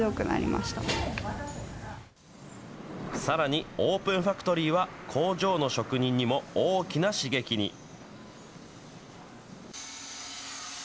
さらにオープンファクトリーは、工場の職人にも大きな刺激に。